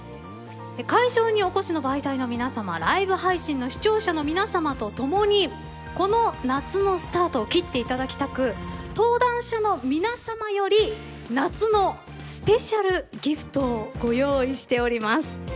会場にお越しの媒体の皆さまライブ配信の視聴者の皆さまと共にこの夏のスタートを切っていただきたく登壇者の皆さまより夏のスペシャルギフトをご用意しております。